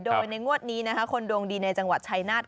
โดยในงวดนี้นะคะคนดวงดีในจังหวัดชายนาฏ